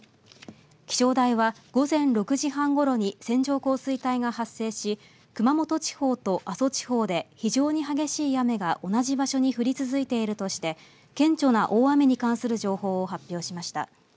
気象台は午前６時半ごろに線状降水帯が発生し熊本地方と阿蘇地方で非常に激しい雨が同じ場所に降り続いているとして顕著な大雨に関する情報を発表しました。